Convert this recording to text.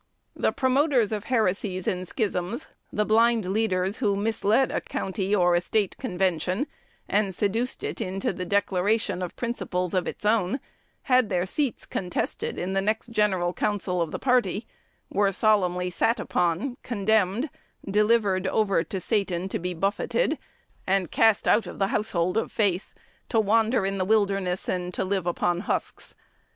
The promoters of heresies and schisms, the blind leaders who misled a county or a State convention, and seduced it into the declaration of principles of its own, had their seats contested in the next general council of the party, were solemnly sat upon, condemned, "delivered over to Satan to be buffeted," and cast out of the household of faith, to wander in the wilderness and to live upon husks.